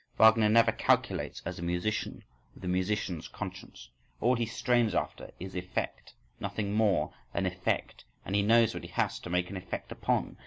Wagner never calculates as a musician with a musician's conscience, all he strains after is effect, nothing more than effect. And he knows what he has to make an effect upon!